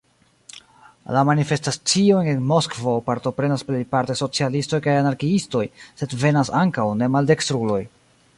La manifestaciojn en Moskvo partoprenas plejparte socialistoj kaj anarkiistoj, sed venas ankaŭ ne-maldekstruloj.